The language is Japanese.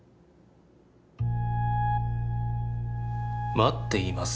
「待っています